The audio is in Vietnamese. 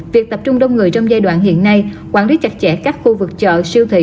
việc tập trung đông người trong giai đoạn hiện nay quản lý chặt chẽ các khu vực chợ siêu thị